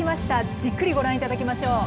じっくりご覧いただきましょう。